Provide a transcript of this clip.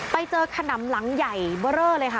ไปเจอขนำหลังใหญ่เบอร์เยอะเลยค่ะ